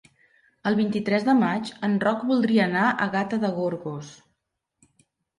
El vint-i-tres de maig en Roc voldria anar a Gata de Gorgos.